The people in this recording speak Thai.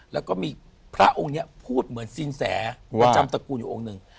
แล้วก็มีพระองค์นี้พูดเหมือนสินแสว่าจำตระกูลอยู่องค์หนึ่ง